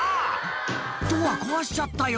ドア壊しちゃったよ